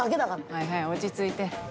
はいはい落ち着いて。